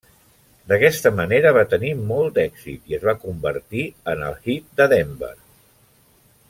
D'aquesta manera va tenir molt d'èxit i es va convertir en el hit de Denver.